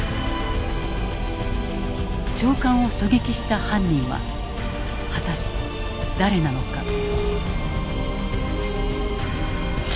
長官を狙撃した犯人は果たして誰なのか。